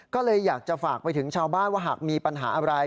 ก็เลยอยากจะฝากไปถึงชาวบ้านว่าหากมีปัญหาอะไร